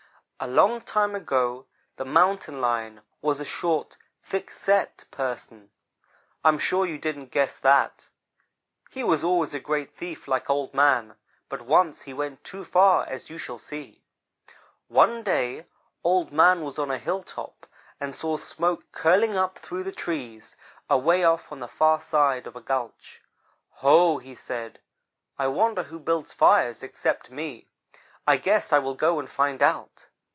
"A long time ago the Mountain lion was a short, thick set person. I am sure you didn't guess that. He was always a great thief like Old man, but once he went too far, as you shall see. "One day Old man was on a hilltop, and saw smoke curling up through the trees, away off on the far side of a gulch. 'Ho!' he said, 'I wonder who builds fires except me. I guess I will go and find out.'